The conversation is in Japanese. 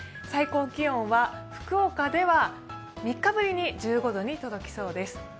最高気温は福岡では３日ぶりに１５度に届きそうです。